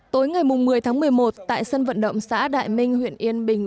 tối ngày một mươi tháng một mươi một tại sân vận động xã đại minh huyện yên bình